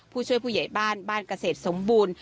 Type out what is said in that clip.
ผู้ช่วยผู้ใหญ่บ้านบ้านเกษตรสมบูรณ์